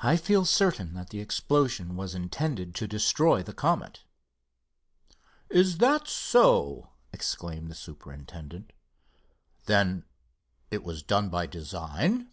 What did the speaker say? "I feel certain that the explosion was intended to destroy the Comet." "Is that so!" exclaimed the superintendent. "Then it was done by design?"